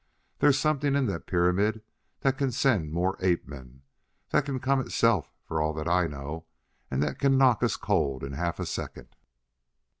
There's something in that pyramid that can send more ape men, that can come itself, for all that I know, and that can knock us cold in half a second.